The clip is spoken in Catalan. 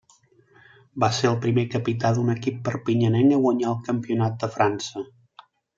Va ser el primer capità d'un equip perpinyanenc a guanyar el campionat de França.